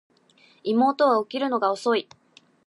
妹は起きるのが遅い